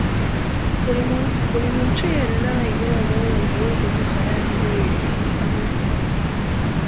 Buli muntu yenna alina obwongo naye enkozesa yabwo yeyawukana.